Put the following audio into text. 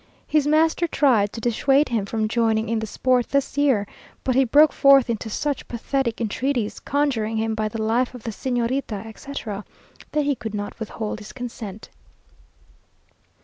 His master tried to dissuade him from joining in the sport this year; but he broke forth into such pathetic entreaties, conjuring him "by the life of the Señorita," etc., that he could not withhold his consent.